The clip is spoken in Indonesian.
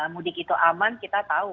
mudik itu aman kita tahu